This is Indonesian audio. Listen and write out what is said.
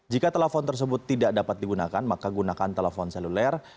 jika telepon tersebut tidak dapat digunakan maka gunakan telepon seluler